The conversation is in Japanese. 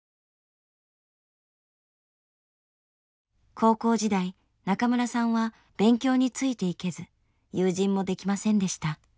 高校時代中村さんは勉強についていけず友人もできませんでした。